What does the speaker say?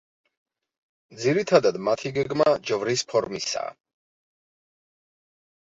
ძირითადად მათი გეგმა ჯვრის ფორმისაა.